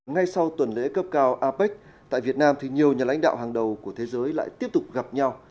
ngay sau tuần lễ cấp cao apec tại việt nam thì nhiều nhà lãnh đạo hàng đầu của thế giới lại tiếp tục gặp nhau